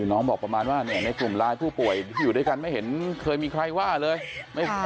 น้องบอกประมาณว่าในกลุ่มไลน์ผู้ป่วยที่อยู่ด้วยกันไม่เห็นเคยมีใครว่าเลย